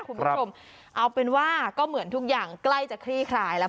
คุณผู้ชมเอาเป็นว่าก็เหมือนทุกอย่างใกล้จะคลี่คลายแล้ว